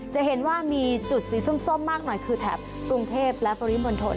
จะเห็นว่ามีจุดสีส้มมากหน่อยคือแถบกรุงเทพและปริมณฑล